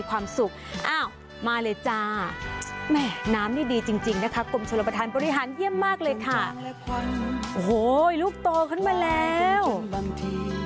ควรกินความรู้สึก